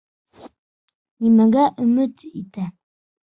Нимәгә өмөт итә?!